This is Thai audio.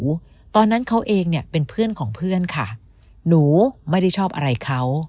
ตอนนั้นเขาเองเนี่ยเป็นเพื่อนของเพื่อนค่ะหนูไม่ได้ชอบอะไรเขา